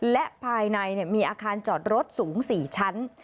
และภายในมีอาคารจอดรถสูง๔ชั้น